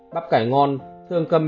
bắp cải ngon thương cơm